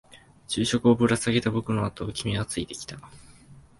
昼食をぶら下げた僕のあとを君はついてきた。